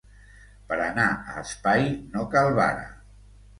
Per anar a espai no cal vara.